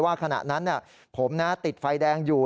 ขณะนั้นผมติดไฟแดงอยู่